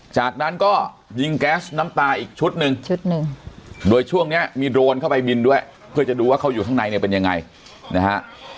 จากนั้นก็ยิงแก๊สน้ำตาอีกชุดหนึ่งชุดหนึ่งโดยช่วงเนี้ยมีโดรนเข้าไปบินด้วยเพื่อจะดูว่าเขาอยู่ข้างในเนี่ยเป็นยังไงนะฮะ